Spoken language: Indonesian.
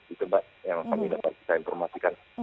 itu mbak yang kami dapat kita informasikan